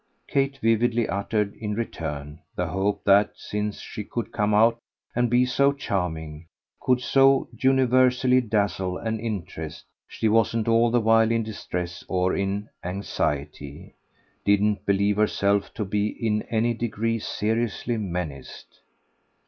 Kate vividly uttered, in return, the hope that, since she could come out and be so charming, could so universally dazzle and interest, she wasn't all the while in distress or in anxiety didn't believe herself to be in any degree seriously menaced.